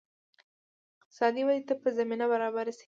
اقتصادي ودې ته به زمینه برابره شي.